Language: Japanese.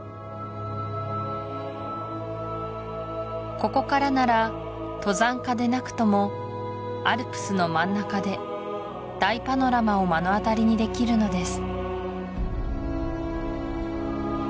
ここからなら登山家でなくともアルプスの真ん中で大パノラマを目の当たりにできるのです